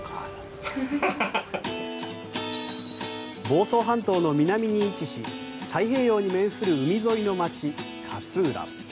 房総半島の南に位置し太平洋に面する海沿いの街勝浦。